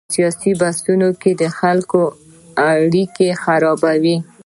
په سیاسي بحثونو کې د خلکو اړیکې خرابوي.